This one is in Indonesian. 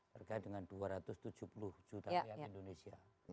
terkait dengan dua ratus tujuh puluh juta rakyat indonesia